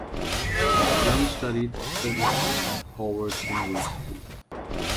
Young studied physics at Howard University.